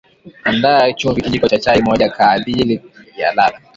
andaa Chumvi Kijiko cha chai moja kaajili ya ladha